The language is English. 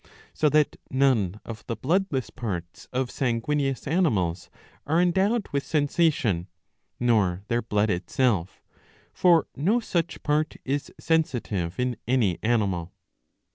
^^ So that none of the bloodless parts of sanguineous animals are endowed with sensation, nor their blood itself ; for no such part is sensitive in any animal.